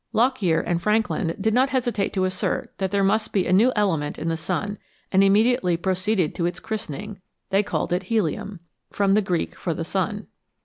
Lockyer and Frankland did not hesitate to assert that there must be a new element in the sun, and immediately proceeded to its christening : they called it " helium " (Greek, ^09, the sun).